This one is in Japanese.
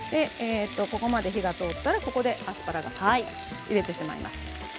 ここまで火が通ったら、ここでアスパラガスをゆでてしまいます。